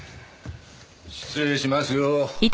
失礼しますよ。